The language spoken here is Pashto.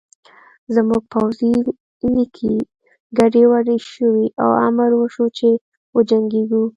زموږ پوځي لیکې ګډې وډې شوې او امر وشو چې وجنګېږو